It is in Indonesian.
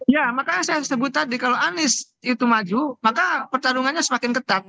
ya makanya saya sebut tadi kalau anies itu maju maka pertarungannya semakin ketat